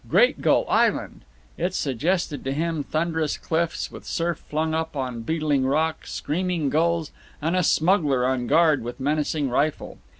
Great Gull Island! It suggested to him thunderous cliffs with surf flung up on beetling rock, screaming gulls, and a smuggler on guard with menacing rifle.